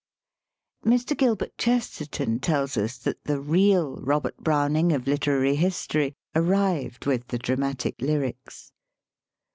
Mr. Gilbert Chesterton tells us that the real Robert Browning of literary history arrived with the Dramatic Lyrics.